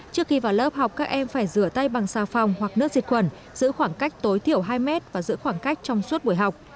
trước khi vào lớp học các em phải rửa tay bằng xà phòng hoặc nước diệt quẩn giữ khoảng cách tối thiểu hai mét và giữ khoảng cách trong suốt buổi học